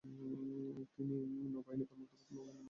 তিনি নৌবাহিনীর কর্মকর্তা পদে নৌবাহিনীর মন্ত্রী হন ।